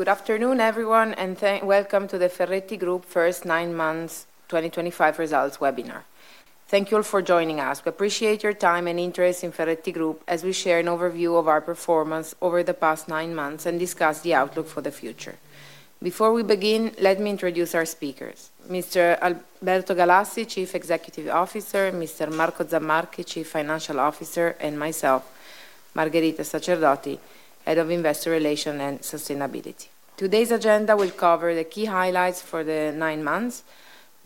Good afternoon everyone and welcome to the Ferretti Group first nine months 2025 results webinar. Thank you all for joining us. We appreciate your time and interest in Ferretti Group as we share an overview of our performance over the past nine months and discuss the outlook for the future. Before we begin, let me introduce our speakers. Mr. Alberto Galassi, Chief Executive Officer, Mr. Marco Zamarchi, Chief Financial Officer, and myself, Margherita Sacerdoti, Head of Investor Relations and Sustainability. Today's agenda will cover the key highlights for the nine months,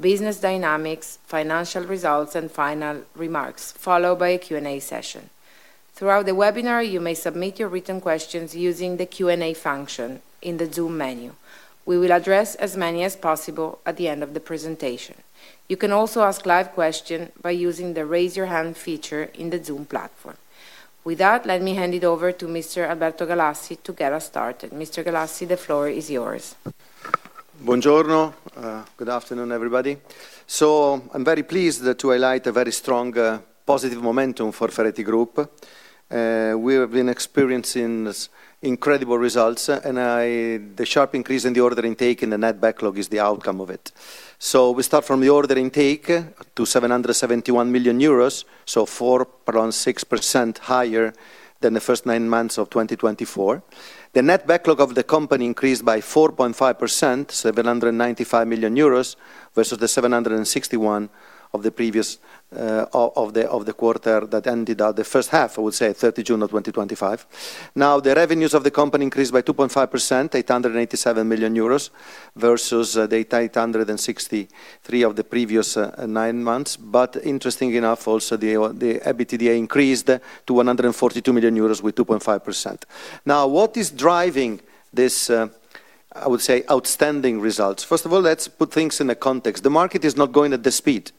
business dynamics, financial results, and final remarks followed by a Q&A session. Throughout the webinar, you may submit your written questions using the Q&A function in the Zoom menu. We will address as many as possible at the end of the presentation. You can also ask live questions by using the raise your hand feature in the Zoom platform. With that, let me hand it over to Mr. Alberto Galassi to get us started. Mr. Galassi, the floor is yours. Buongiorno. Good afternoon everybody. I'm very pleased to highlight a very strong positive momentum for Ferretti Group. We have been experiencing incredible results and the sharp increase in the order intake in the net backlog is the outcome of it. We start from the order intake to €771 million, 4.6% higher than the first nine months of 2024. The net backlog of the company increased by 4.5%, €795 million versus the €761 million of the previous quarter that ended at the first half, I would say the 30th of June of 2025. The revenues of the company increased by 2.5%, €887 million versus the €863 million of the previous nine months. Interesting enough, also the EBITDA increased, €142 million with 2.5%. What is driving this? I would say outstanding results. First of all, let's put things in the context. The market is not going at the speed.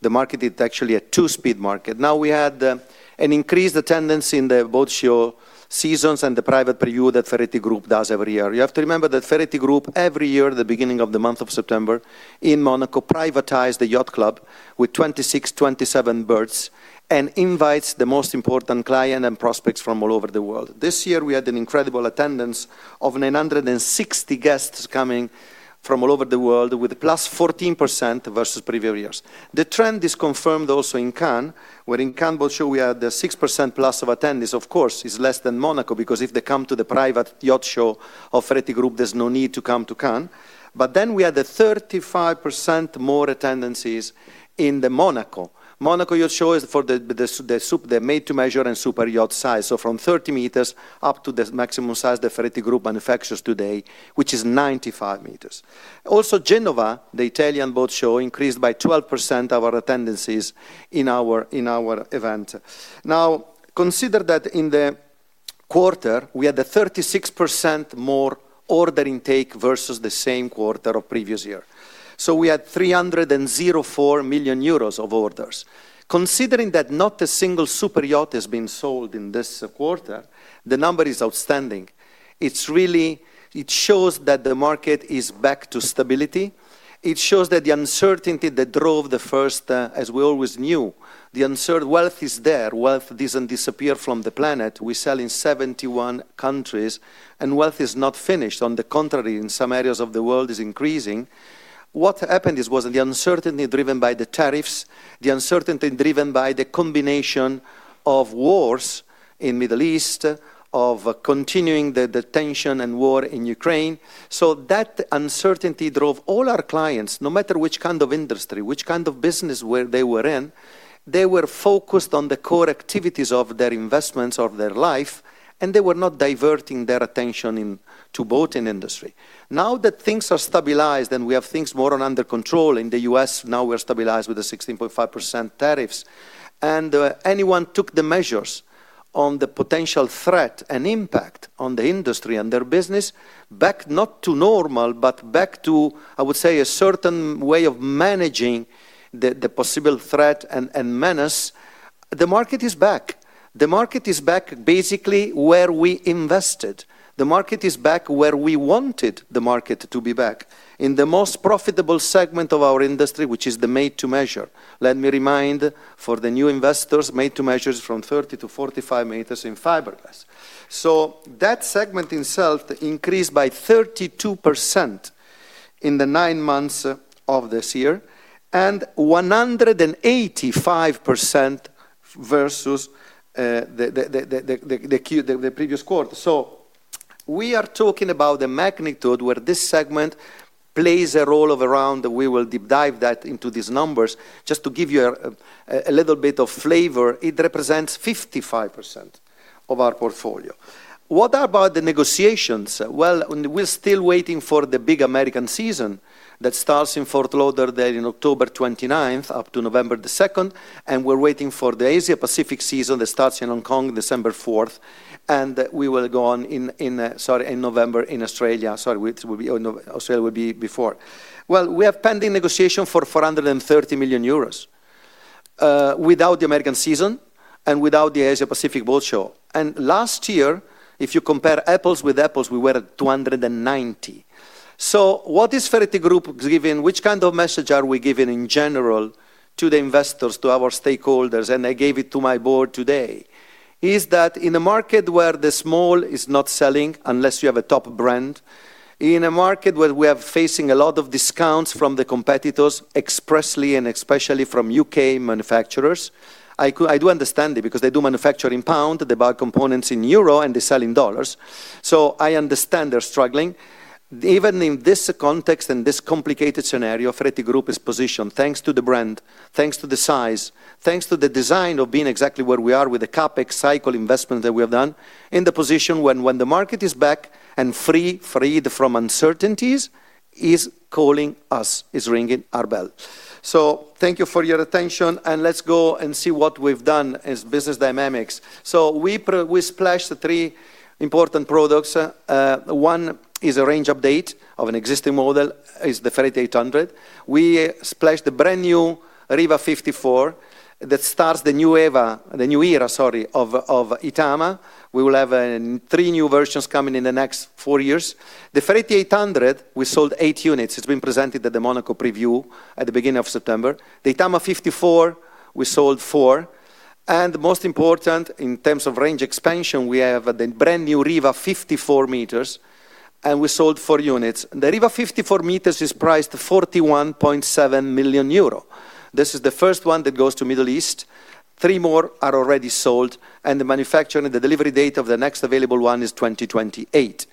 The market is actually a two speed market. We had an increased attendance in the boat show seasons and the private preview that Ferretti Group does every year. You have to remember that Ferretti Group every year, at the beginning of the month of September in Monaco, privatizes the yacht club with 26-27 berths and invites the most important clients and prospects from all over the world. This year we had an incredible attendance of 960 guests coming from all over the world with plus 14% versus previous years. The trend is confirmed also in Cannes, where in Cannes boat show we had 6% plus of attendees. Of course, it is less than Monaco, because if they come to the private yacht show of Ferretti Group, there's no need to come to Cannes. We had 35% more attendances in the Monaco show, which is for the made to measure and superyacht size, from 30 meters up to the maximum size the Ferretti Group manufactures today, which is 95 meters. Also, Genova, the Italian boat show, increased by 12% of our attendances in our event. In the quarter we had 36% more order intake versus the same quarter of previous year. We had €304 million of orders. Considering that not a single superyacht has been sold in this quarter, the number is outstanding. It really shows that the market is back to stability. It shows that the uncertainty that drove the first. As we always knew, the uncertain wealth is there. Wealth doesn't disappear from the planet. We sell in 71 countries and wealth is not finished. On the contrary, in some areas of the world it is increasing. What happened was the uncertainty driven by the tariffs, the uncertainty driven by the combination of wars in the Middle East, of continuing the tension and war in Ukraine. That uncertainty drove all our clients, no matter which kind of industry, which kind of business they were in, they were focused on the core activities of their investments, of their life, and they were not diverting their attention to the boating industry. Now that things are stabilized and we have things more under control in the U.S., now we're stabilized with the 16.5% tariffs and anyone took the measures on the potential threat and impact on the industry and their business back not to normal, but back to, I would say, a certain way of managing the possible threat and menace. The market is back. The market is back. Basically, where we invested. The market is back where we wanted the market to be, back in the most profitable segment of our industry, which is the made to measure. Let me remind for the new investors, made to measure is from 30-45 meters in fiberglass. That segment itself increased by 32% in the nine months of this year and 185% versus the previous quarter. We are talking about the magnitude where this segment plays a role around. We will deep dive into these numbers. Just to give you a little bit of flavor, it represents 55% of our portfolio. What about the negotiations? We're still waiting for the big American season that starts in Fort Lauderdale on October 29 up to November 2, and we're waiting for the Asia Pacific season that starts in Hong Kong December 4. In November, in Australia—sorry, Australia will be before. We have pending negotiations for €430 million without the American season and without the Asia Pacific Boat Show. Last year, if you compare apples with apples, we were at €290 million. What is Ferretti Group giving? Which kind of message are we giving in general to the investors, to our stakeholders? I gave it to my board today. In a market where the small is not selling unless you have a top brand, in a market where we are facing a lot of discounts from the competitors expressly and especially from UK manufacturers, I do understand it because they do manufacture in pound, they buy components in euro and they sell in dollars. I understand they're struggling even in this context, in this complicated scenario. Ferretti Group is positioned thanks to the brand, thanks to the size, thanks to the design of being exactly where we are with the CapEx cycle investments that we have done in the position when the market is back and freed from uncertainties, is calling us, is ringing our bell. Thank you for your attention and let's go and see what we've done as business dynamics. We splashed three important products. One is a range update of an existing model, the Ferretti 800. We splashed the brand new Riva 54 that starts the new era, the new era of Itama. We will have three new versions coming in the next four years. The 800 we sold eight units. It's been presented at the Monaco preview at the beginning of September. The Itama 54 we sold four. Most important in terms of range expansion, we have the brand new Riva 54 meters and we sold four units. The Riva 54 meters is priced at €41.7 million. This is the first one that goes to Middle East. Three more are already sold and the manufacturing. The delivery date of the next available one is 2028.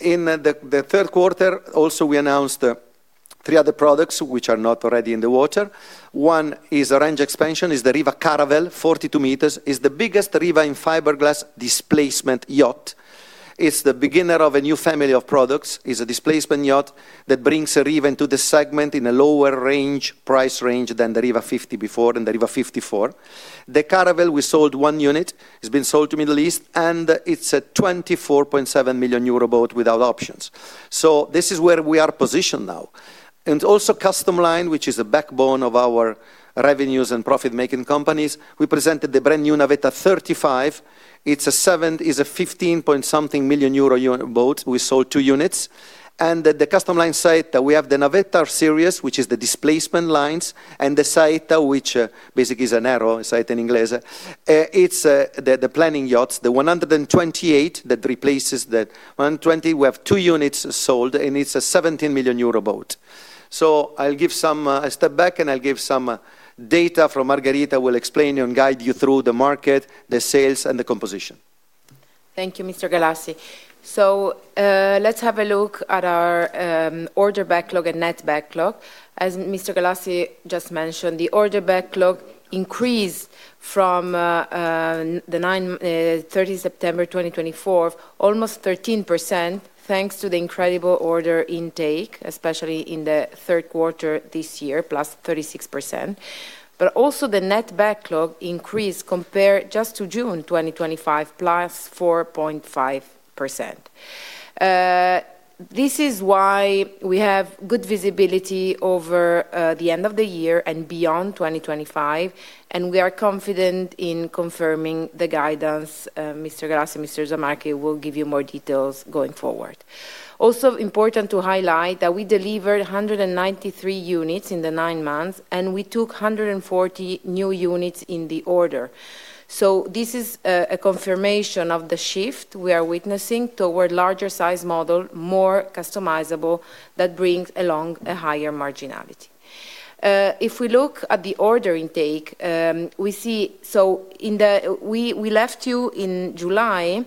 In the third quarter, we also announced three other products which are not already in the water. One is a range expansion, the Riva Caravelle 42 meters. It's the biggest Riva in fiberglass displacement yacht. It's the beginner of a new family of products. It's a displacement yacht that brings a Riva into the segment in a lower price range than the Riva 50 before. The Riva 54, the Caravelle, we sold one unit, has been sold to Middle East and it's €24.7 million, boat without options. This is where we are positioned now. Also, Custom Line, which is the backbone of our revenues and profit making companies. We presented the brand new Navetta 35. It's a 15 point something million euro boat. We sold two units and the Custom Line site, we have the Navetta series, which is the displacement lines, and the site which basically is an arrow sighting glazer. It's the planning yachts, the 128 that replaces the 120, we have two units sold and it's a €17 million boat. I'll give some, I step back and I'll give some data from Margherita will explain and guide you through the market, the sales and the composition. Thank you Mr. Galassi. Let's have a look at our order backlog and net backlog. As Mr. Galassi just mentioned, the order backlog increased from 30 September 2024 almost 13% thanks to the incredible order intake, especially in the third quarter this year, plus 36%. Also, the net backlog increased compared just to June 2025, plus 4.5%. This is why we have good visibility over the end of the year and beyond 2025, and we are confident in confirming the guidance. Mr. Galassi, Mr. Zamarchi will give you more details going forward. Also important to highlight that we delivered 193 units in the nine months and we took 140 new units in the order. This is a confirmation of the shift we are witnessing toward larger size model, more customizable, that brings along a higher marginality. If we look at the order intake, we see we left you in July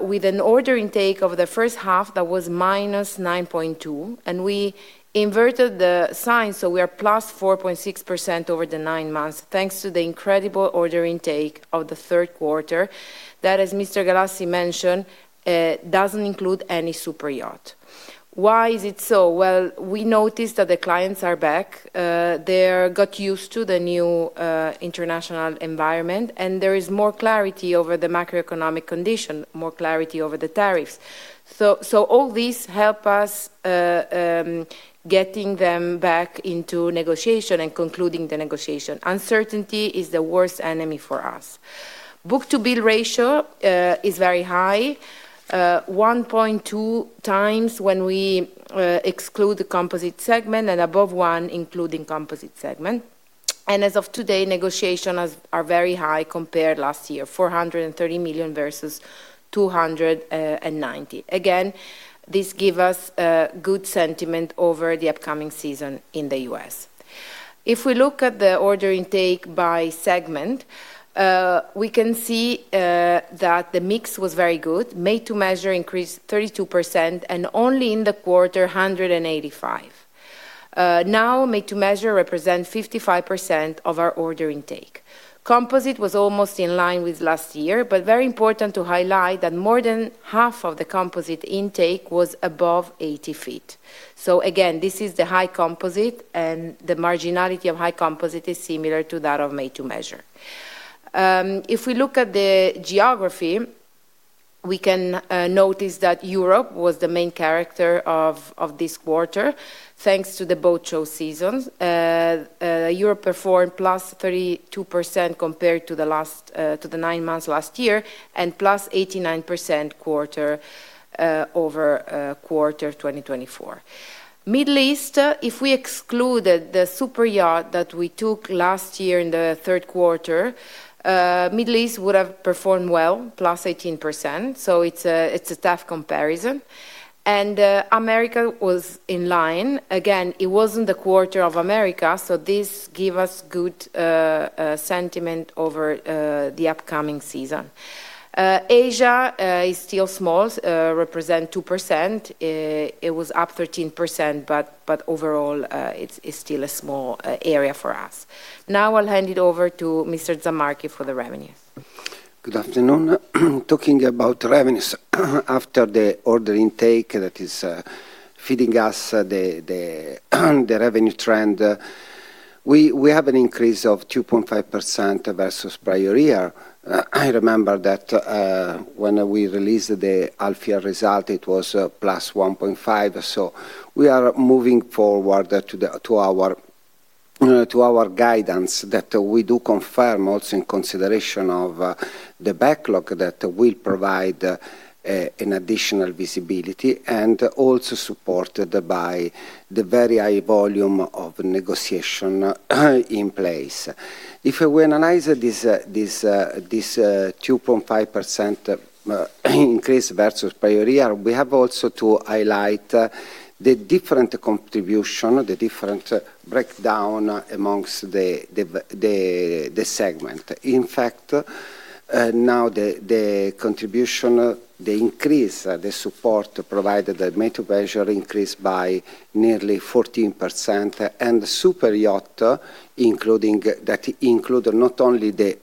with an order intake over the first half that was minus 9.2% and we inverted the sign. We are plus 4.6% over the nine months thanks to the incredible order intake of the third quarter that, as Mr. Galassi mentioned, doesn't include any super yacht. Why is it so? We noticed that the clients are back, they got used to the new international environment and there is more clarity over the macroeconomic condition, more clarity over the tariffs. All these help us getting them back into negotiation and concluding the negotiation. Uncertainty is the worst enemy for us. Book to bill ratio is very high, 1.2 times when we exclude the composite segment and above 1 including composite segment. As of today, negotiations are very high compared last year, $430 million versus $290 million. Again, this gives us good sentiment over the upcoming season in the U.S. If we look at the order intake by segment, we can see that the mix was very good. Made to measure increased 32% and only in the quarter 185. Now made to measure represents 55% of our order intake. Composite was almost in line with last year. Very important to highlight that more than half of the composite intake was above 80 ft. Again, this is the high composite and the marginality of high composite is similar to that of made to measure. If we look at the geography, we can notice that Europe was the main character of this quarter thanks to the boat show seasons. Europe performed plus 32% compared to the nine months last year and plus 89% quarter over quarter. 2024 Middle East, if we excluded the super yacht that we took last year in the third quarter, Middle East would have performed well, plus 18%. It's a tough comparison. America was in line; again, it wasn't the quarter of America. This gives us good sentiment over the upcoming season. Asia is still small, represents 2%. It was up 13%, but overall it's still a small area for us. Now I'll hand it over to Mr. Zamarchi for the revenue. Good afternoon. Talking about revenues after the order intake that is feeding us, the revenue trend, we have an increase of 2.5% versus prior year. I remember that when we released the alpha result it was plus 1.5%. We are moving forward to our guidance that we do confirm also in consideration of the backlog that will provide additional visibility and also supported by the very high volume of negotiation in place. If we analyze this 2.5% increase versus prior year, we have also to highlight the different contribution, the different breakdown amongst the segment. In fact, now the contribution, the increase, the support provided, the metaverse increased by nearly 14% and superyacht including that include not only the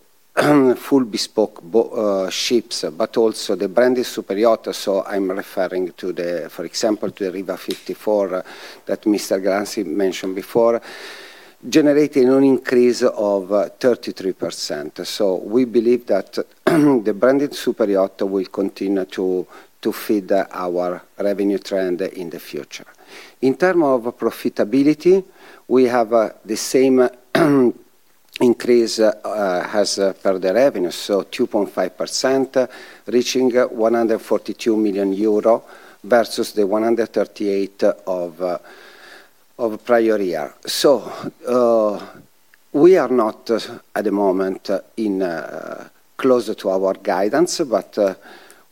full bespoke ships but also the branded superyacht. I'm referring to, for example, the Riva 54 that Mr. Galassi mentioned before, generating an increase of 33%. We believe that the branded superyacht will continue to feed our revenue trend in the future. In terms of profitability, we have the same increase as per the revenue, so 2.5%, reaching €142 million versus the €138 million of prior year. We are not at the moment closer to our guidance, but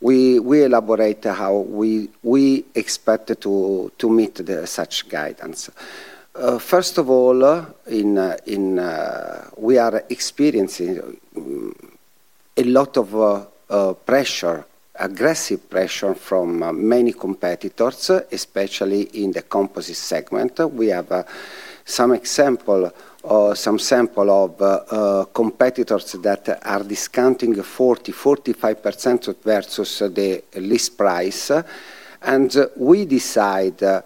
we elaborate how we expect to meet such guidance. First of all, we are experiencing a lot of pressure, aggressive pressure from many competitors, especially in the composite segment. We have some example, some sample of competitors that are discounting 40, 45% versus the list price. We decide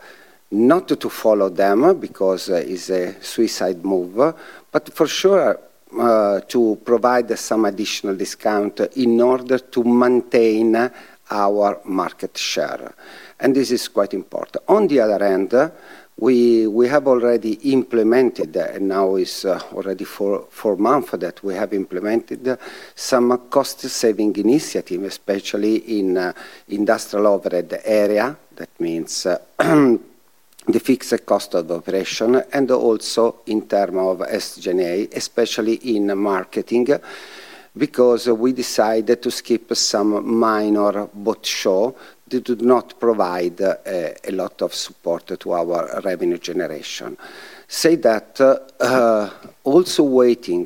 not to follow them because it's a suicide move, but for sure to provide some additional discount in order to maintain our market share. This is quite important. On the other hand, we have already implemented and now is already for four months that we have implemented some cost saving initiative, especially in industrial overhead area. That means the fixed cost of operation. Also in terms of SG&A, especially in marketing, because we decided to skip some minor boat show, they do not provide a lot of support to our revenue generation. Also waiting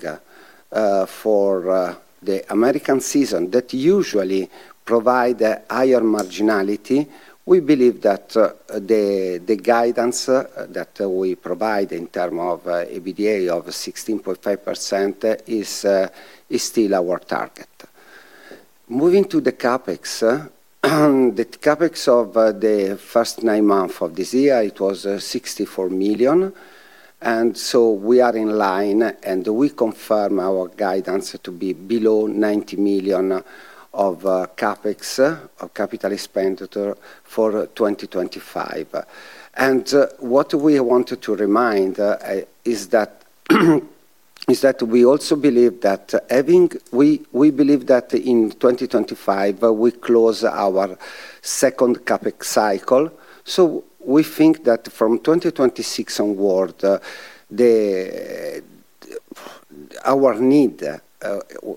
for the American season that usually provides higher marginality, we believe that the guidance that we provide in terms of EBITDA of 16.5% is still our target. Moving to the CapEx, the CapEx of the first nine months of this year was €64 million. We are in line and we confirm our guidance to be below €90 million of CapEx of capital spend for 2025. What we wanted to remind is that we also believe that having. We believe that in 2025 we close our second CapEx cycle. We think that from 2026 onward, our need,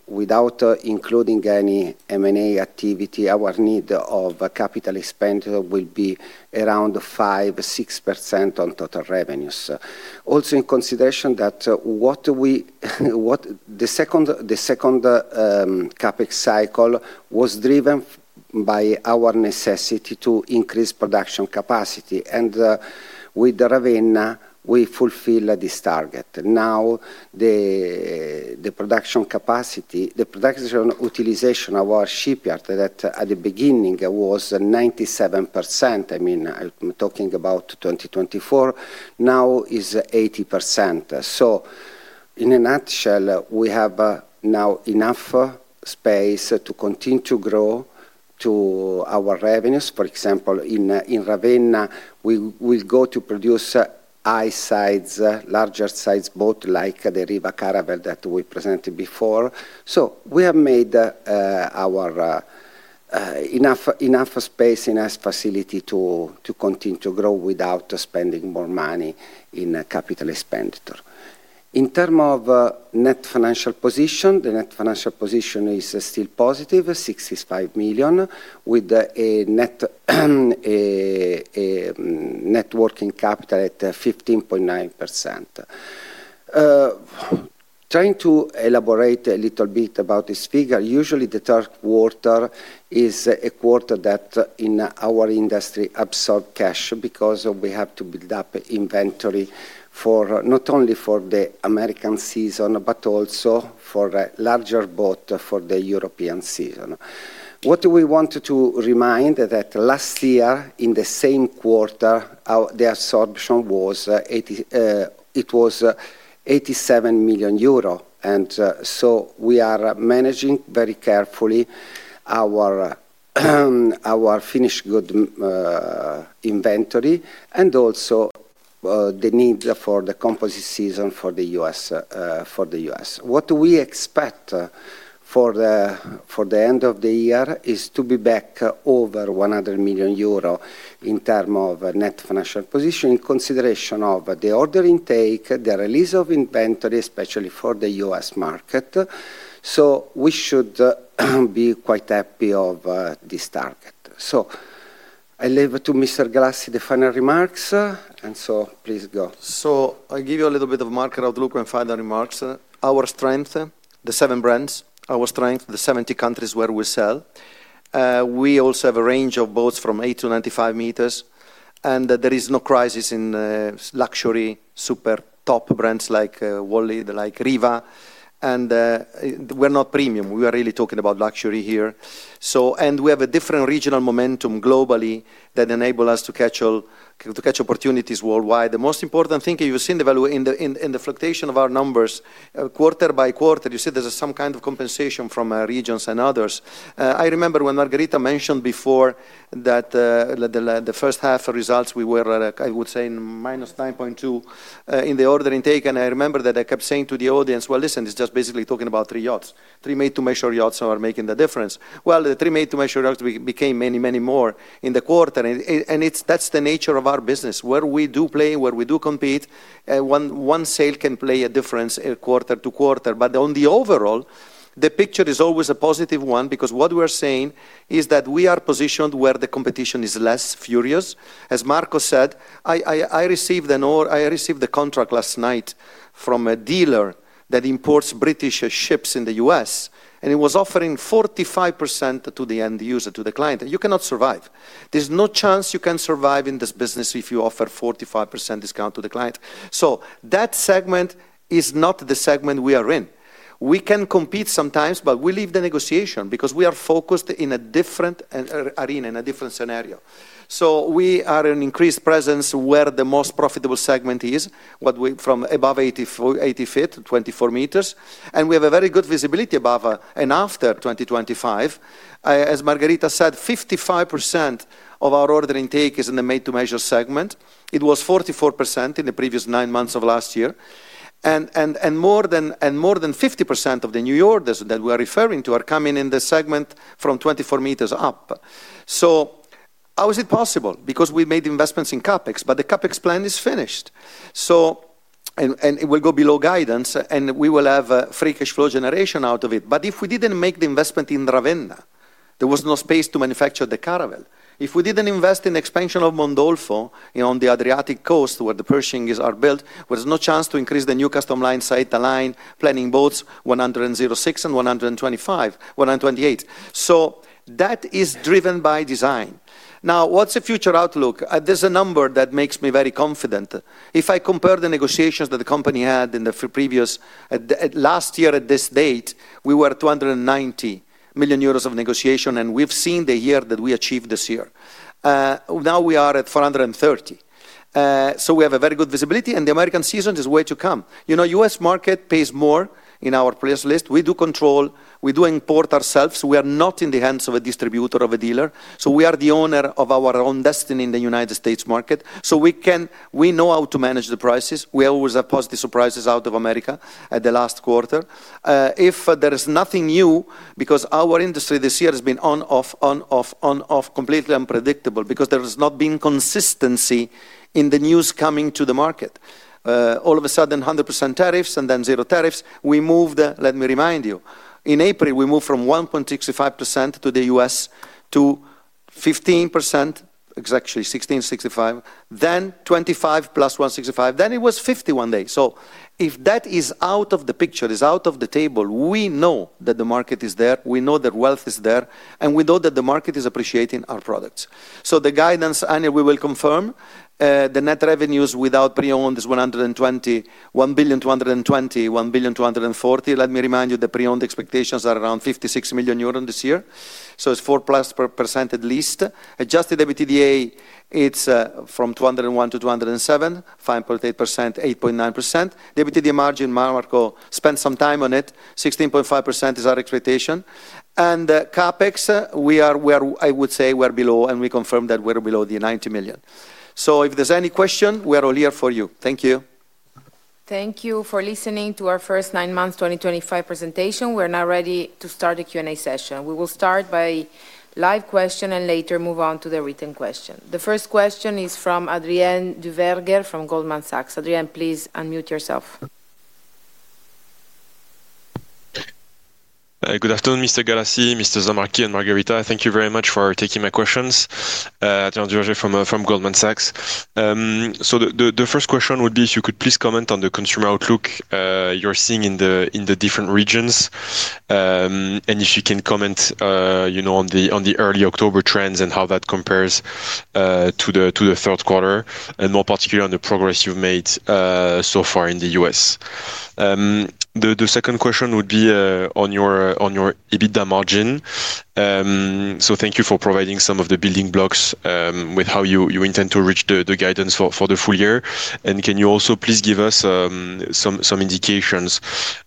without including any M&A activity, our need of capital expenditure will be around 5.6% on total revenues. Also, in consideration that the second CapEx cycle was driven by our necessity to increase production capacity, and with Ravenna we fulfill this target. Now the production capacity, the production utilization of our shipyard that at the beginning was 97%, I mean, I'm talking about 2024, now is 80%. In a nutshell, we have now enough space to continue to grow our revenues. For example, in Ravenna we will go to produce larger size boats like the Riva Caravelle that we presented before. We have made enough space, enough facility to continue to grow without spending more money in capital expenditure. In terms of net financial position, the net financial position is still positive, €65 million, with a net working capital at 15.9%. Trying to elaborate a little bit about this figure, usually the third quarter is a quarter that in our industry absorbs cash because we have to build up inventory not only for the American season, but also for larger boats for the European season. We wanted to remind that last year in the same quarter the absorption was €87 million, and we are managing very carefully our finished goods inventory and also the need for the composite season for the U.S. What we expect for the end of the year is to be back over €100 million in terms of net financial position in consideration of the order intake, the release of inventory, especially for the U.S. market. We should be quite happy of this target. I leave to Mr. Galassi the final remarks, so please go. I give you a little bit of market outlook and final remarks. Our strength, the seven brands, our strength, the 70 countries where we sell, we also have a range of boats from 8 to 95 meters. There is no crisis in luxury. Super top brands like Wally, they like Riva, and we're not premium. We are really talking about luxury here. We have a different regional momentum globally that enable us to catch opportunities worldwide. The most important thing you've seen in the fluctuation of our numbers quarter by quarter. You see there's some kind of compensation from regions and others. I remember when Margherita mentioned before that the first half results we were, I would say, minus 9.2% in the order intake. I remember that I kept saying to the audience, listen, it's just basically talking about three yachts, three made to measure yachts are making the difference. The three made to measure yachts became many, many more in the quarter. That's the nature of our business. Where we do play, where we do compete. One sale can play a difference quarter to quarter. On the overall the picture is always a positive one. What we are saying is that we are positioned where the competition is less furious, as Marco said. I received a contract last night from a dealer that imports British ships in the U.S. and it was offering 45% to the end user, to the client. You cannot survive. There's no chance you can survive in this business if you offer 45% discount to the client. That segment is not the segment we are in. We can compete sometimes, but we leave the negotiation because we are focused in a different, are in a different scenario. We are an increased presence where the most profitable segment is from above 80 ft, 24 meters. We have a very good visibility above and after 2025, as Margherita said, 55% of our order intake is in the made to measure segment. It was 44% in the previous nine months of last year. More than 50% of the new orders that we are referring to are coming in this segment from 24 meters up. How is it possible? Because we made investments in CapEx. The CapEx plan is finished and it will go below guidance and we will have free cash flow generation out of it. If we didn't make the investment in Ravenna there was no space to manufacture the Caravelle. If we didn't invest in expansion of Mondolfo on the Adriatic coast where the Pershings are built, there's no chance to increase the new Custom Line site alignment planning boats 106 and 125, 128. That is driven by design. Now what's the future outlook? There's a number that makes me very confident. If I compare the negotiations that the company had in the previous last year at this date, we were €290 million of negotiation and we've seen the year that we achieved this year. Now we are at €430 million. We have very good visibility and the American season is yet to come. You know, the U.S. market pays more in our price list. We do control, we do import ourselves. We are not in the hands of a distributor, of a dealer. We are the owner of our own destiny in the United States market. We know how to manage the prices. We always have positive surprises out of America at the last quarter if there is nothing new. Our industry this year has been on off, on off, on off. Completely unpredictable because there has not been consistency in the news coming to the market. All of a sudden 100% tariffs and then zero tariffs. Let me remind you in April we moved from 1.65% to the U.S. to 15%, exactly 16.65, then 25 plus 16.65, then it was 51 days. If that is out of the picture, is out of the table. We know that the market is there, we know that wealth is there and we know that the market is appreciating our products. The guidance annual we will confirm, the net revenues without pre-owned is €1,221,240,000. Let me remind you the pre-owned expectations are around €56 million this year. It's 4+% at least. Adjusted EBITDA is from €201 million to €207 million. 5.8%, 8.9% the EBITDA margin, spent some time on it. 16.5% is our expectation. CapEx, I would say we're below and we confirm that we're below the €90 million. If there's any question, we are all here for you. Thank you. Thank you for listening to our first nine months 2025 presentation. We're now ready to start the Q and A session. We will start by live question and later move on to the written question. The first question is from Adrien Duverger from Goldman Sachs. Adrien, please unmute yourself. Good afternoon, Mr. Galassi, Mr. Zamarchi and Margherita, thank you very much for taking my questions from Goldman Sachs. The first question would be if you could please comment on the consumer outlook you're seeing in the different regions and if you can comment on the early October trends and how that compares to the third quarter, and more particularly on the progress you've made so far in the U.S. The second question would be on your EBITDA margin. Thank you for providing some of the building blocks with how you intend to reach the guidance for the full year. Can you also please give us some indications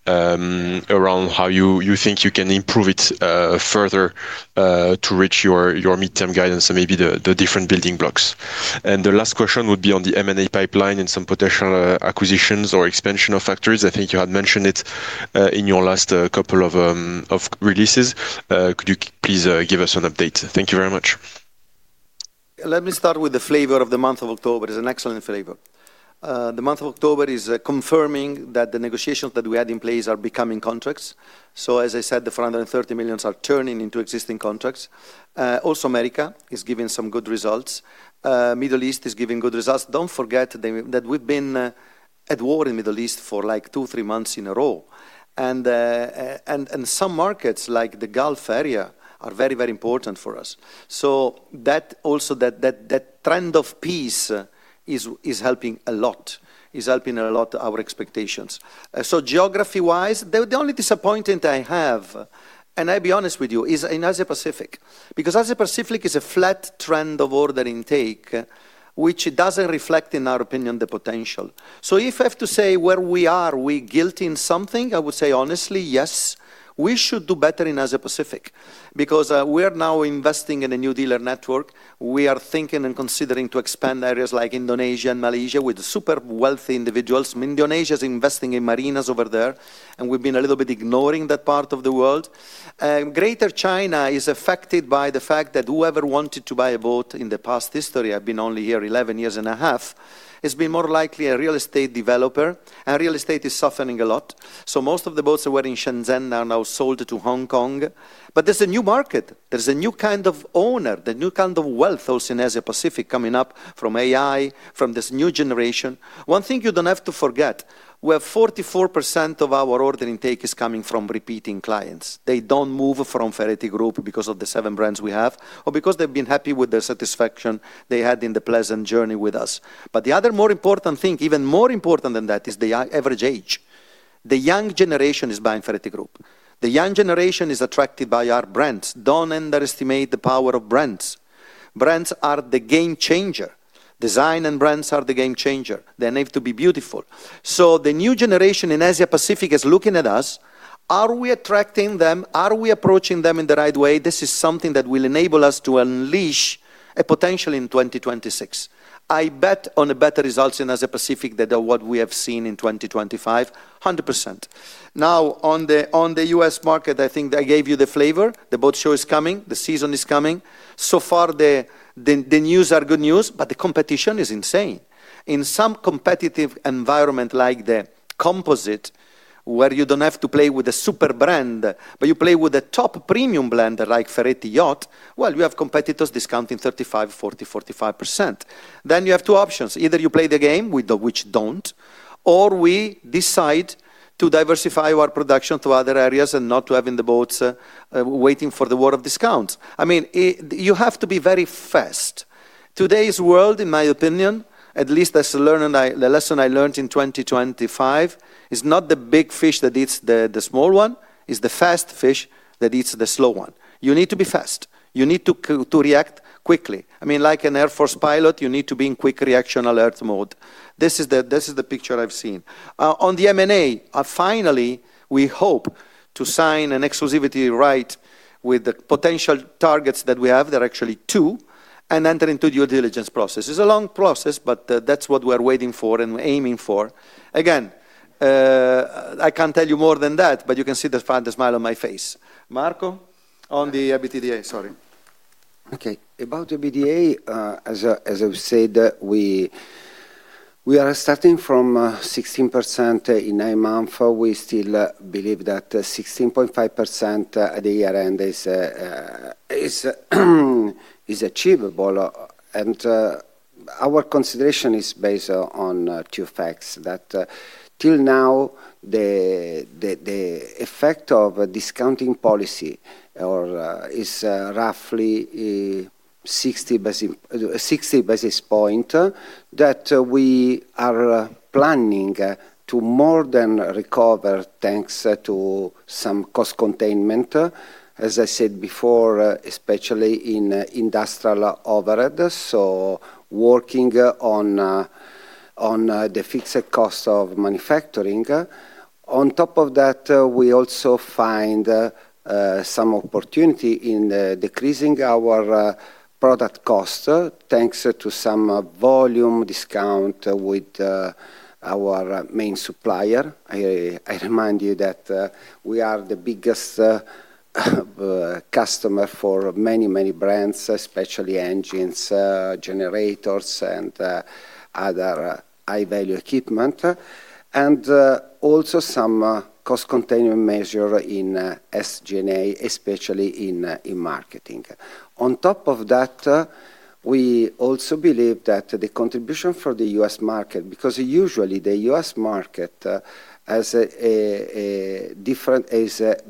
around how you think you can improve it further to reach your midterm guidance and maybe the different building blocks? The last question would be on the M&A pipeline and some potential acquisitions or expansion of factories. I think you had mentioned it in your last couple of releases. Could you please give us an update? Thank you very much. Let me start with the flavor of the month of October. It's an excellent flavor. The month of October is confirming that the negotiations that we had in place are becoming contracts. As I said, the $430 million are turning into existing contracts. Also, America is giving some good results. Middle East is giving good results. Don't forget that we've been at war in Middle East for like two, three months in a row. Some markets like the Gulf area are very, very important for us. That trend of peace is helping a lot, is helping a lot our expectations. Geography wise, the only disappointment I have, and I'll be honest with you, is in Asia Pacific because Asia Pacific is a flat trend of order intake which doesn't reflect in our opinion the potential. If I have to say where we are we guilty in something, I would say honestly, yes, we should do better in Asia Pacific because we are now investing in a new dealer network. We are thinking and considering to expand areas like Indonesia and Malaysia with super wealthy individuals. Indonesia is investing in marinas over there and we've been a little bit ignoring that part of the world. Greater China is affected by the fact that whoever wanted to buy a boat in the past history, I've been only here 11 years and a half, has been more likely a real estate developer. Real estate is softening a lot. Most of the boats are wearing Shenzhen are now sold to Hong Kong. There's a new market, there's a new kind of owner, the new kind of wealth also in Asia Pacific coming up from AI, from this new generation. One thing you don't have to forget, we have 44% of our order intake is coming from repeating clients. They don't move from Ferretti Group because of the seven brands we have or because they've been happy with their satisfaction they had in the pleasant journey with us. The other more important thing, even more important than that, is the average age. The young generation is buying Ferretti Group. The young generation is attracted by our brands. Don't underestimate the power of brands. Brands are the game changer. Design and brands are the game changer. They need to be beautiful. The new generation in Asia Pacific is looking at us. Are we attracting them? Are we approaching them in the right way? This is something that will enable us to unleash a potential in 2026. I bet on a better result in Asia Pacific than what we have seen in 2025. 100% now on the U.S. market. I think I gave you the flavor. The boat show is coming, the season is coming. So far the news are good news, but the competition is insane. In some competitive environment like the composite, where you don't have to play with a super brand, but you play with the top premium brand like Ferretti Yacht, you have competitors discounting 35%, 40%, 45%. You have two options. Either you play the game, which we don't, or we decide to diversify our production to other areas and not to have the boats waiting for the war of discounts. You have to be very fast. In today's world, in my opinion at least, the lesson I learned in 2025 is not the big fish that eats the small one, it is the fast fish that eats the slow one. You need to be fast, you need to react quickly. Like an Air Force pilot, you need to be in quick reaction alert mode. This is the picture I've seen on the M&A. Finally, we hope to sign an exclusivity right with the potential targets that we have that are actually two and enter into due diligence process. It's a long process, but that's what we're waiting for and aiming for. Again, I can't tell you more than that, but you can see the smile on my face. Marco, on the EBITDA. Sorry. Okay. About EBITDA, as I said, we are starting from 16% in nine months. We still believe that 16.5% at the year end is achievable. Our consideration is based on two facts that till now the effect of discounting policy is roughly 0.60% that we are planning to more than recover thanks to some cost containment, as I said before, especially in industrial overhead. Working on the fixed cost of manufacturing, on top of that we also find some opportunity in decreasing our product cost thanks to some volume discount with our main supplier. I remind you that we are the biggest customer for many, many brands, especially engines, generators, and other high value equipment. Also some cost containment measure in SG&A, especially in marketing. On top of that, we also believe that the contribution for the U.S. market because usually the U.S. market has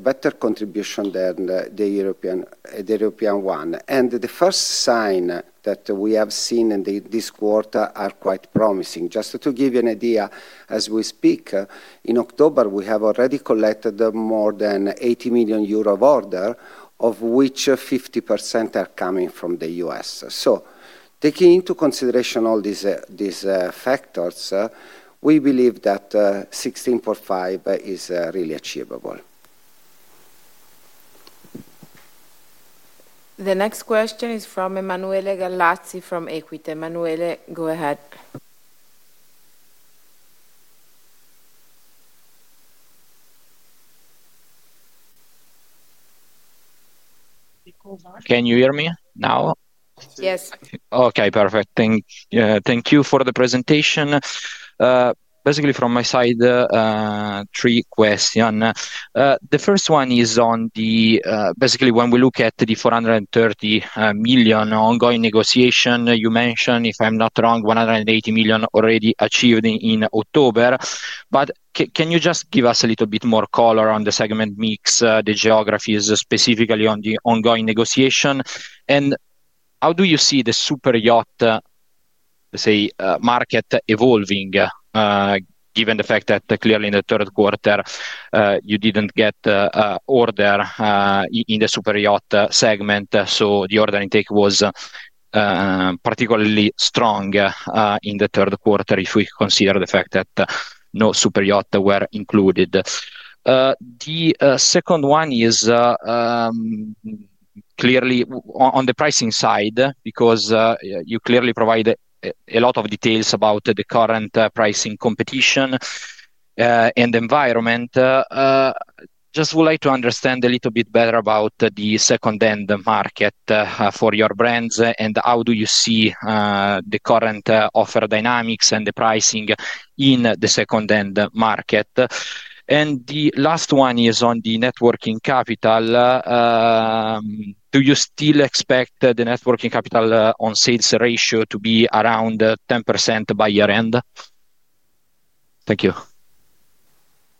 better contribution than the European one. The first sign that we have seen in this quarter are quite promising. Just to give you an idea, as we speak in October we have already collected more than €80 million order of which 50% are coming from the U.S. Taking into consideration all these factors, we believe that 16.5% is really achievable. The next question is from Emanuele Gallazzi from Equite. Emanuele, go ahead. Can you hear me now? Yes. Okay, perfect. Thank you for the presentation. Basically from my side, three questions. The first one is on the, basically when we look at the $130 million ongoing negotiation you mentioned, if I'm not wrong, $180 million already achieved in October. Can you just give us a little bit more color on the segment mix, the geographies, specifically on the ongoing negotiation? How do you see the super yacht market evolving given the fact that clearly in the third quarter you didn't get order in the super yacht segment? The order intake was particularly strong in the third quarter if we consider the fact that no super yachts were included. The second one is clearly on the pricing side because you clearly provide a lot of details about the current pricing, competition, and environment. I just would like to understand a little bit better about the second end market for your brands. How do you see the current offer dynamics and the pricing in the second end market? The last one is on the net working capital. Do you still expect the net working capital on sales ratio to be around 10% by year end? Thank you.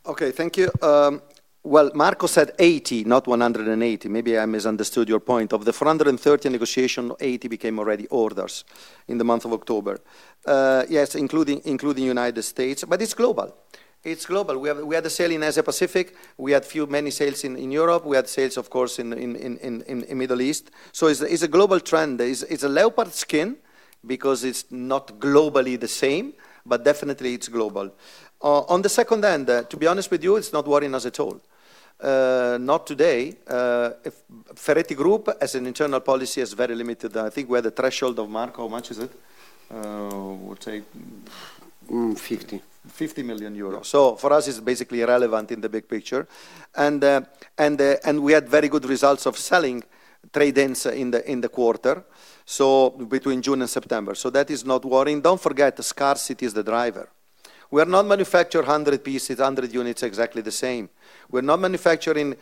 Okay, thank you. Marco said 80, not 180. Maybe I misunderstood your point. Of the 430 negotiations, 80 became already orders in the month of October. Yes, including United States. It's global. We had a sale in Asia Pacific, we had many sales in Europe, we had sales of course in Middle East. It's a global trend. It's a leopard skin because it's not globally the same, but definitely it's global. On the second end, to be honest with you, it's not worrying us at all. Not today. Ferretti Group as an internal policy is very limited. I think we're at the threshold of mark. How much is it? €50 million. For us it's basically irrelevant in the big picture. We had very good results of selling trade-ins in the quarter, between June and September. That is not worrying. Don't forget the scarcity is the driver. We are not manufacturing 100 pieces, 100 units exactly the same. We're not manufacturing.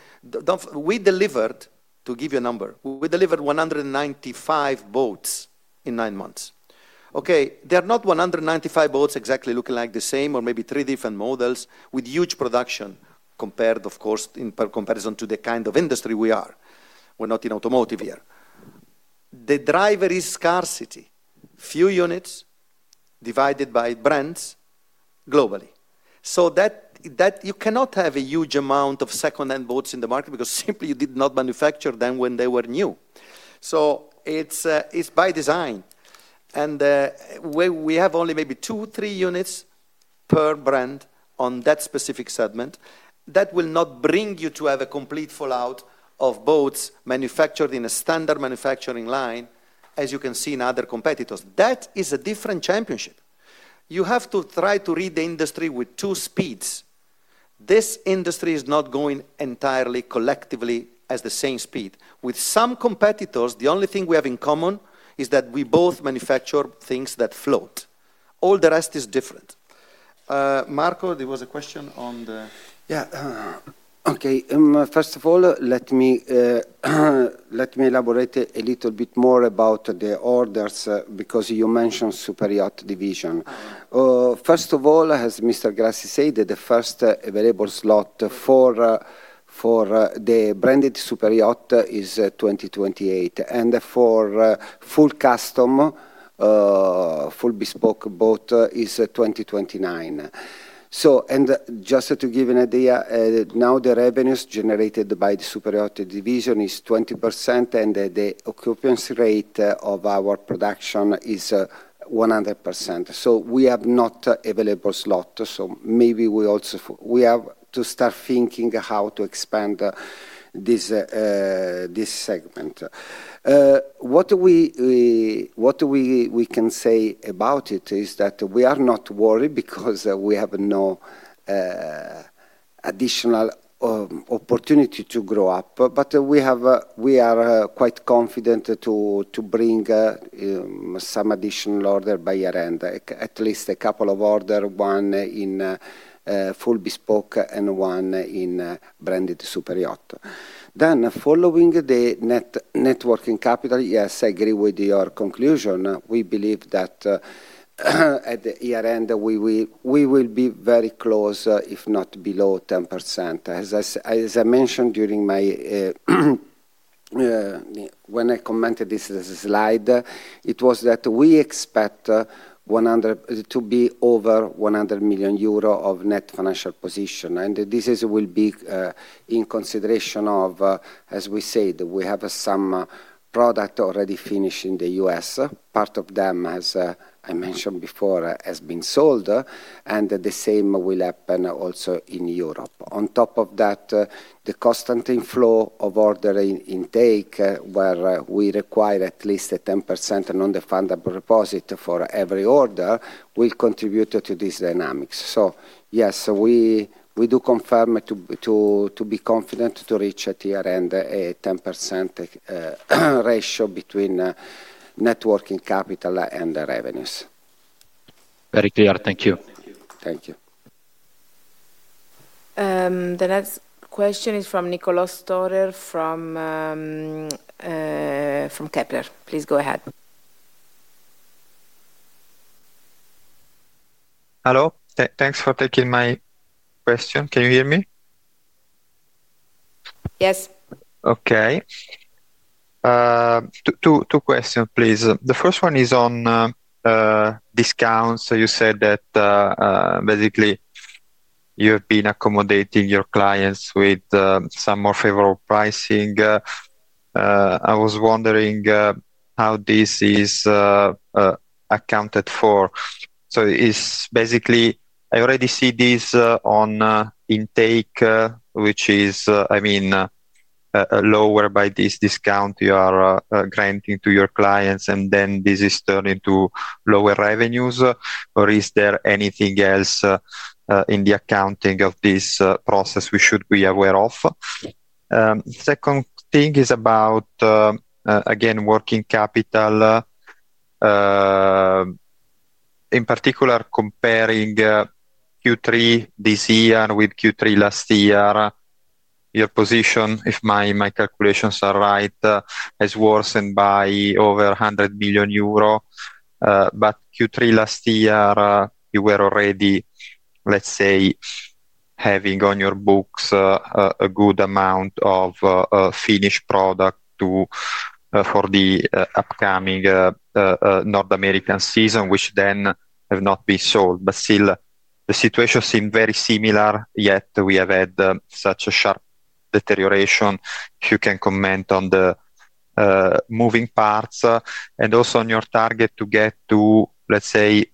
We delivered, to give you a number, we delivered 195 boats in nine months. They are not 195 boats exactly looking like the same, or maybe three different models with huge production. Compared, of course, in comparison to the kind of industry we are. We're not in automotive here. The driver is scarcity. Few units divided by brands globally. You cannot have a huge amount of second end boats in the market because simply you did not manufacture them when they were new. It's by design. We have only maybe 2 or 3 units per brand on that specific segment. That will not bring you to have a complete fallout of boats manufactured in a standard manufacturing line, as you can see in other competitors. That is a different championship. You have to try to read the industry with two speeds. This industry is not going entirely collectively at the same speed with some competitors. The only thing we have in common is that we both manufacture things that float. All the rest is different. Marco, there was a question on the. Yeah, okay. First of all, let me elaborate a little bit more about the orders because you mentioned Superyacht division. First of all, as Mr. Galassi said, the first available slot for the branded superyacht is 2028 and for full custom full bespoke boat is 2029. Just to give an idea now, the revenues generated by the Superyacht division is 20% and the occupancy rate of our production is 100%. We have not available slot. Maybe we also have to start thinking how to expand this segment. What we can say about it is that we are not worried because we have no additional opportunity to grow up. We are quite confident to bring some additional order by year end, at least a couple of order, one in full bespoke and one in branded superyacht. Following the working capital, yes, I agree with your conclusion. We believe that at the year end we will be very close, if not below 10%. As I mentioned during my, when I commented this slide, it was that we expect to be over €100 million of net financial position. This will be in consideration of, as we said, we have some product already finished in the U.S. Part of them, as I mentioned before, has been sold and the same will happen also in Europe. On top of that, the constant inflow of order intake, where we require at least a 10% non-refundable deposit for every order, will contribute to these dynamics. Yes, we do confirm to be confident to reach at year end 10% ratio between net working capital and the revenues. Very clear. Thank you. Thank you. The next question is from Niccolò Guido Storer from Kepler. Please go ahead. Hello, thanks for taking my question. Can you hear me? Yes. Okay, two questions please. The first one is on discounts. You said that basically you have been accommodating your clients with some more favorable pricing. I was wondering how this is accounted for. It's basically I already see this on intake, which is, I mean, lower by this discount you are granting to your clients and then this is turned into lower revenues. Is there anything else in the accounting of this process we should be aware of? Second thing is about again working capital. In particular, comparing Q3 this year with Q3 last year. Your position, if my calculations are right, has worsened by over €100 million. Q3 last year you were already, let's say, having on your books a good amount of finished product for the upcoming North American season, which then have not been sold. Still, the situation seemed very similar, yet we have had such a sharp deterioration. If you can comment on the moving parts and also on your target to get to, let's say,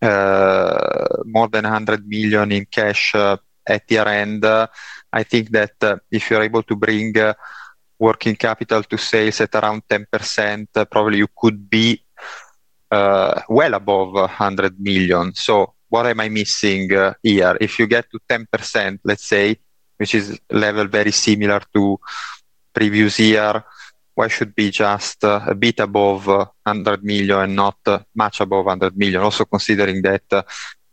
more than €100 million in cash at the end. I think that if you're able to bring working capital to sales at around 10%, probably you could be well above €100 million. What am I missing here? If you get to 10%, let's say, which is a level very similar to previous year, why should it be just a bit above €100 million, not much above €100 million, also considering that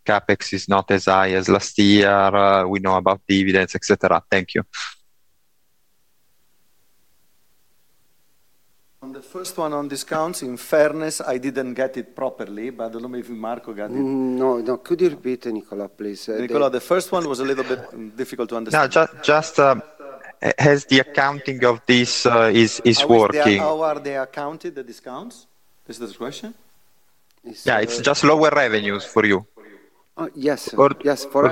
CapEx is not as high as last year, we know about dividends, etc. Thank you. On the first one on discounts, in fairness I didn't get it properly, but I don't know, maybe Marco got it. No, no. Could you repeat any color, please? Nicola, the first one was a little bit difficult to understand. Just as the accounting of this is working. How are they accounted, the discounts? This is question. Yeah, it's just lower revenues for you. Yes. Do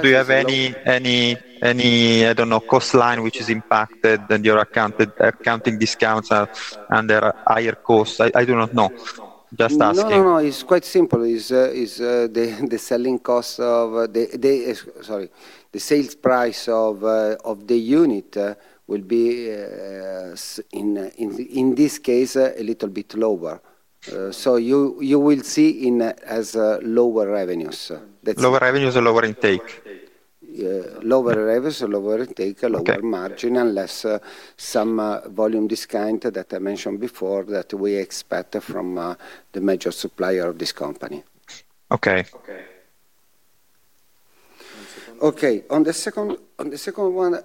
you have any, I don't know, cost line which is impacted and your accounted accounting discounts and there are higher costs? I do not know, just asking. No, no, it's quite simple. The selling cost of the sales price of the unit will be in this case a little bit lower. You will see it as lower revenues, lower revenues or lower intake, lower revenues, lower intake, a lower margin. Unless some volume discount that I mentioned before that we expect from the major supplier of this company. Okay, okay. Okay. On the second one.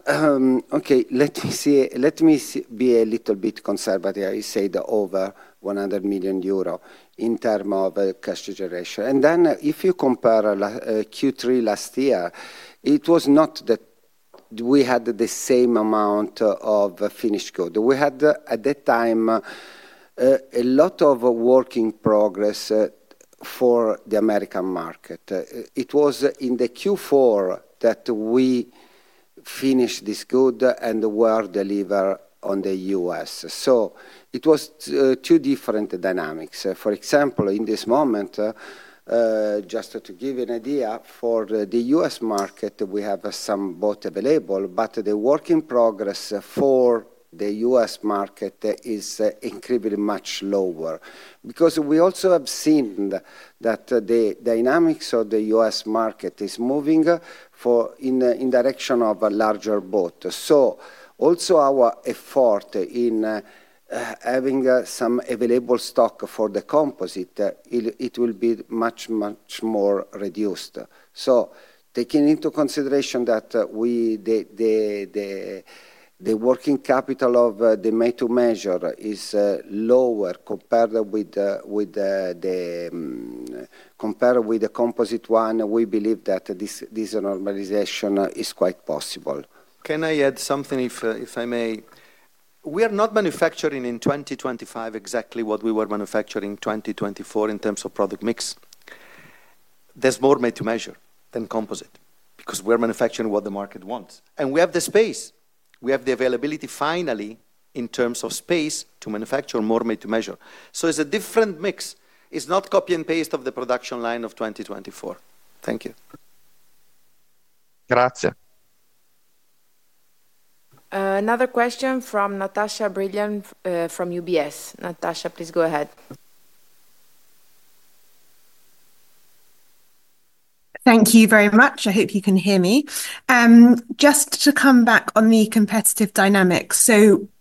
Okay, let me see. Let me be a little bit conservative. I say the over €100 million in terms of cash generation. If you compare Q3 last year, it was not that we had the same amount of finished good. We had at that time a lot of work in progress for the American market. It was in Q4 that we finished this good and were delivered on the U.S. It was two different dynamics. For example, in this moment, just to give you an idea, for the U.S. market we have some boat available, but the work in progress for the U.S. market is incredibly much lower because we also have seen that the dynamics of the U.S. market is moving in the direction of a larger boat. Also, our effort in having some available stock for the composite, it will be much, much more reduced. Taking into consideration that the working capital of the made to measure is lower compared with the composite one, we believe that this normalization is quite possible. Can I add something if I may? We are not manufacturing in 2025 exactly what we were manufacturing in 2024. In terms of product mix, there's more made to measure than composite because we're manufacturing what the market wants, and we have the space, we have the availability finally in terms of space to manufacture more made to measure. It's a different mix. It's not copy and paste of the production line of 2024. Thank you. Grazia. Another question from Natasha Brilliant, from UBS. Natasha, please go ahead. Thank you very much. I hope you can hear me. Just to come back on the competitive dynamics,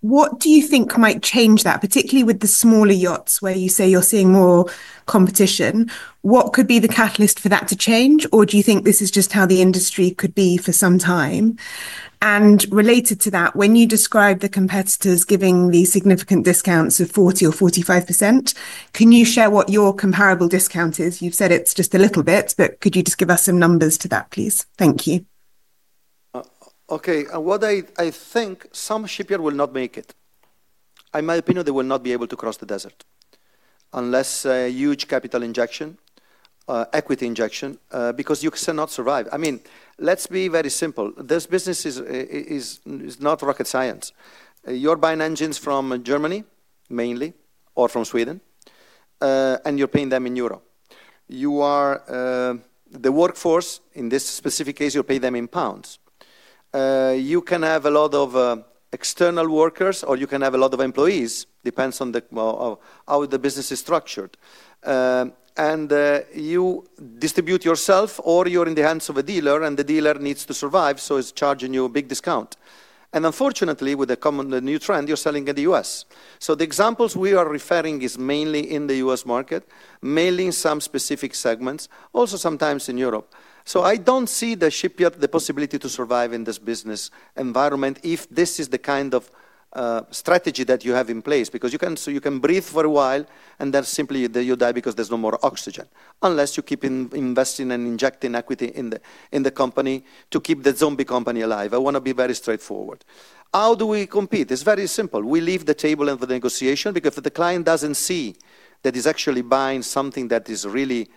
what do you think might change that? Particularly with the smaller yachts where you say you're seeing more competition, what could be the catalyst for that to change? Do you think this is just how the industry could be for some time? Related to that, when you describe the competitors giving these significant discounts of 40% or 45%, can you share what your comparable discount is? You've said it's just a little bit, but could you just give us some numbers to that, please? Thank you. Okay, what I think is some shipyard will not make it. In my opinion, they will not be able to cross the desert unless a huge capital injection, equity injection, because you cannot survive. I mean, let's be very simple. This business is not rocket science. You're buying engines from Germany mainly or from Sweden, and you're paying them in euro. You are the workforce. In this specific case, you pay them in pounds. You can have a lot of external workers or you can have a lot of employees. It depends on how the business is structured. You distribute yourself, or you're in the hands of a dealer and the dealer needs to survive, so it's charging you a big discount. Unfortunately, with a common new trend, you're selling in the U.S. The examples we are referring to are mainly in the U.S. market, mainly some specific segments, also sometimes in Europe. I don't see the shipyard, the possibility to survive in this business environment if this is the kind of strategy that you have in place because you can breathe for a while and then simply you die because there's no more oxygen. Unless you keep investing and injecting equity in the company to keep the zombie company alive. I want to be very straightforward. How do we compete? It's very simple. We leave the table and the negotiation because the client doesn't see that he's actually buying something that is really.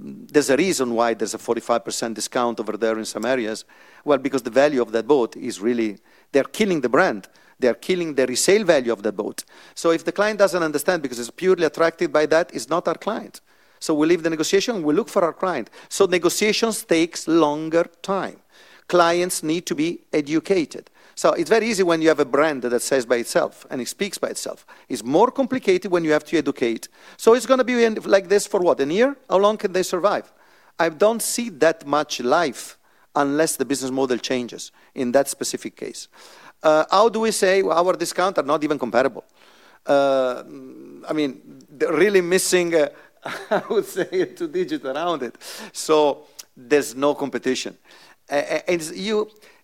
There's a reason why there's a 45% discount over there in some areas. It's because the value of that boat is really. They're killing the brand, they're killing the resale value of the boat. If the client doesn't understand because it's purely attracted by that, it's not our client. We leave the negotiation, we look for our client. Negotiations take longer time. Clients need to be educated. It's very easy when you have a brand that says by itself and it speaks by itself. It's more complicated when you have to educate. It's going to be like this for what, a year? How long can they survive? I don't see that much life unless the business model changes. In that specific case, our discounts are not even comparable. They're really missing, I would say, two digits around it. There's no competition.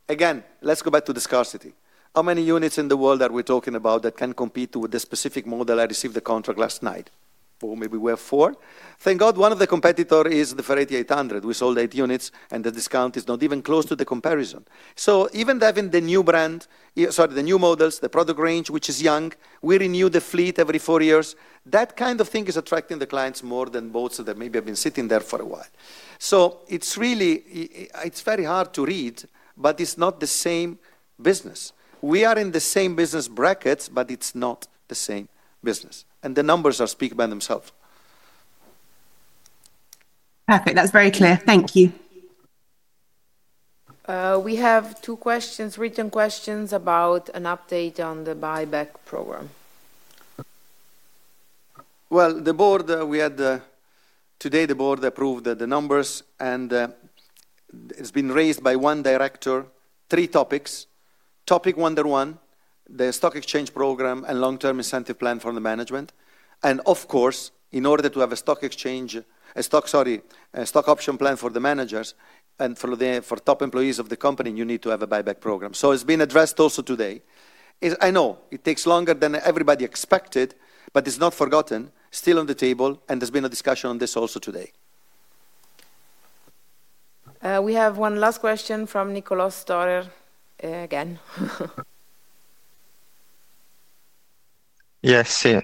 Again, let's go back to the scarcity. How many units in the world are we talking about that can compete with the specific model? I received the contract last night. Or maybe we have four. Thank God. One of the competitors is the Ferretti 800. We sold eight units and the discount is not even close to the comparison. Even having the new brand, sorry, the new models, the product range, which is young, we renew the fleet every four years. That kind of thing is attracting the clients more than boats that maybe have been sitting there for a while. It's very hard to read, but it's not the same business. We are in the same business brackets, but it's not the same business. The numbers speak by themselves. Perfect. That's very clear. Thank you. We have two questions, written questions about an update on the share buyback program. The board we had today, the board approved the numbers and it's been raised by one director, three topics. Topic 1, the stock exchange program and long term incentive plan for the management. Of course, in order to have a stock exchange, a stock, sorry, a stock option plan for the managers and for top employees of the company, you need to have a buyback program. It's been addressed also today. I know it takes longer than everybody expected, but it's not forgotten, still on the table. There's been a discussion on this also today. We have one last question from Niccolò Guido Storer again. Yes, can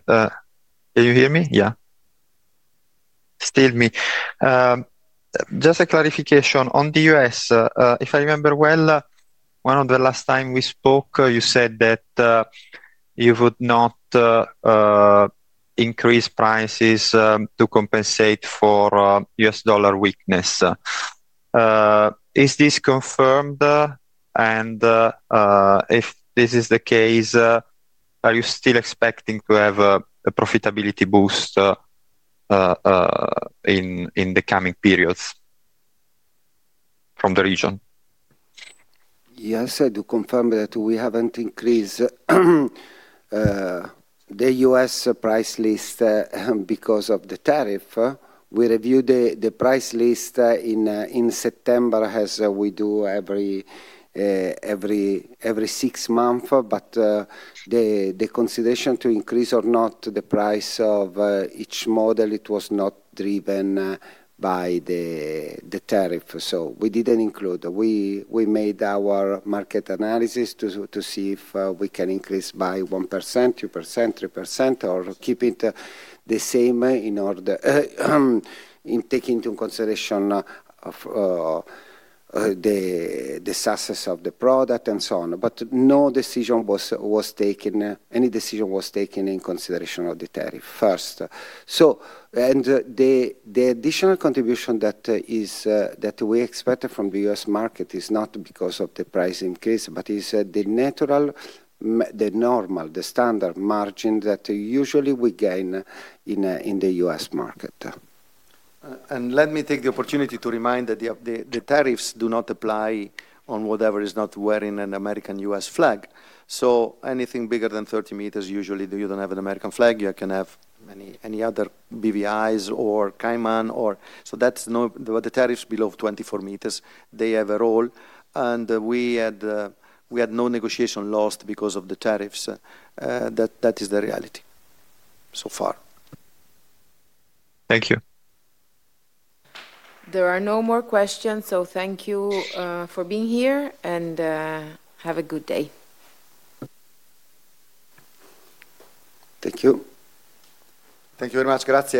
you hear me? Yeah, still me. Just a clarification on the U.S. If I remember well, one of the last times we spoke, you said that you would not increase prices to compensate for U.S. dollar weakness. Is this confirmed? If this is the case, are you still expecting to have a profitability boost in the coming periods from the region? Yes, I do confirm that we haven't increased the U.S. price list because of the tariff. We reviewed the price list in September, as we do every six months. The consideration to increase or not the price of each model was not driven by the tariff. We didn't include it. We made our market analysis to see if we can increase by 1%, 2%, 3% or keep it the same, taking into consideration the success of the product and so on. No decision was taken in consideration of the tariff first. The additional contribution that we expected from the U.S. market is not because of the price increase, but is the natural, the normal, the standard margin that usually we gain in the U.S. market. Let me take the opportunity to remind that the tariffs do not apply on whatever is not wearing a U.S. flag. Anything bigger than 30 meters, usually you don't have an American flag. You can have any other BVIs or Cayman or. That's what the tariffs below 24 meters, they have a role and we had no negotiation lost because of the tariffs. That is the reality so far. Thank you. There are no more questions. Thank you for being here and have a good day. Thank you. Thank you very much. Grazia.